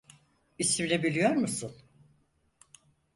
İsmini biliyor musun?